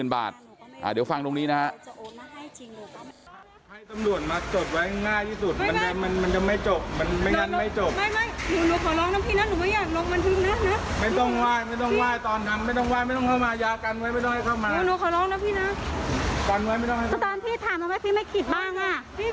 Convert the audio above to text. ๕๐๐๐๐บาทเดี๋ยวฟังตรงนี้นะครับ